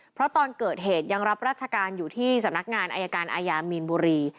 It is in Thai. เพราะตอนเกิดเหตุยังรับราชการอยู่ที่สำนักงานอายการอายามีนบุรี